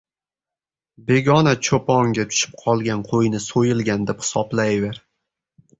• Begona cho‘ponga tushib qolgan qo‘yni so‘yilgan deb hisoblayver.